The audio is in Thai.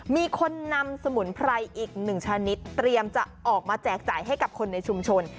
มีคนนำสมุนไพรอีก๑ชนิดเตรียมจะออกมาแจกจ่ายให้กับคนในชุมชน